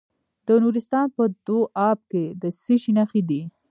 د نورستان په دو اب کې د څه شي نښې دي؟